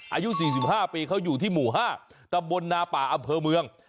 อายุ๔๕ปีเขาอยู่ที่หมู่๕ตำบลนาป่าอำเภอเมือง